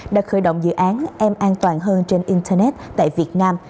đã khởi động dự án m an toàn hơn trên internet tại việt nam